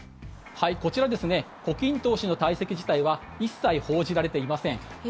こちら胡錦涛氏の退席自体は一切報じられていません。